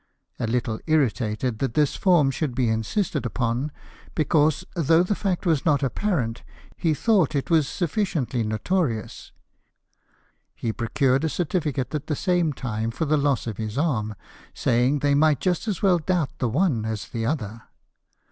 A little irri tated that this form should be insisted upon, because, though the fact was not apparent, he thought it was sufficiently notorious, he procured a certificate at the same time for the loss of his arm, saying they might just as well doubt the one as the other.